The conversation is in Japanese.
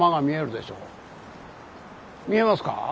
見えますか？